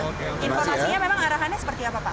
informasinya memang arahannya seperti apa pak